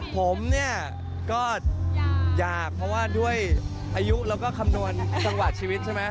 ผมเนี่ยก็อยากเพราะว่าด้วยอายุแล้วก็คำนวณจังหวะชีวิตใช่ไหม